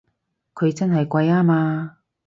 佢真係貴吖嘛！